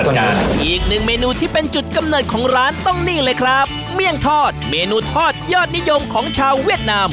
อีกหนึ่งเมนูที่เป็นจุดกำเนิดของร้านต้องนี่เลยครับเมี่ยงทอดเมนูทอดยอดนิยมของชาวเวียดนาม